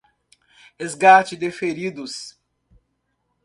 Resgate de Feridos